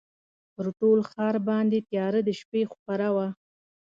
پر ټول ښار باندي تیاره د شپې خپره وه